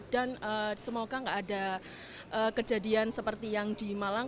dan semoga gak ada kejadian seperti yang di malang